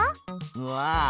うわあ。